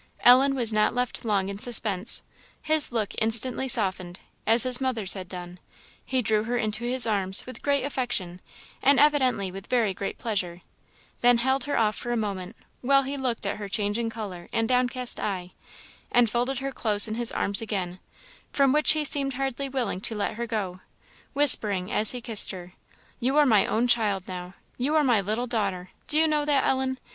Ellen was not left long in suspense his look instantly softened, as his mother's had done; he drew her to his arms with great affection, and evidently with very great pleasure; then held her off for a moment, while he looked at her changing colour and downcast eye, and folded her close in his arms again, from which he seemed hardly willing to let her go, whispering, as he kissed her, "you are my own child now you are my little daughter: do you know that, Ellen?